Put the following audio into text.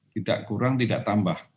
tidak kurang tidak tambah